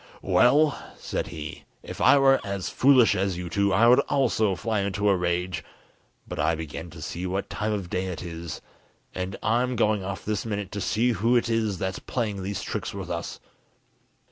"Well," said he, "if I were as foolish as you two, I would also fly into a rage, but I begin to see what time of day it is, and I'm going off this minute to see who it is that's playing these tricks with us."